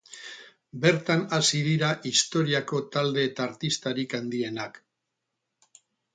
Bertan hazi dira historiako talde eta artistarik handienak.